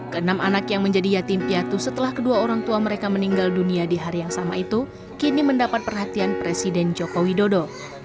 ke enam anak yang menjadi yatim piatu setelah kedua orang tua mereka meninggal dunia di hari yang sama itu kini mendapat perhatian presiden joko widodo